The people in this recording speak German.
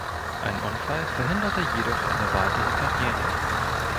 Ein Unfall verhinderte jedoch eine weitere Karriere.